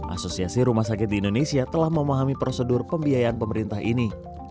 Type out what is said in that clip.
asosiasi rumah sakit di indonesia telah memahami prosedur pembiayaan pemerintah ini